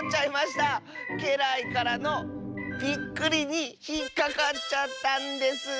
けらいからのびっくりにひっかかっちゃったんです。